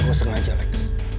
gue sengaja lex